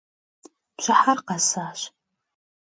Bjıher khesaş.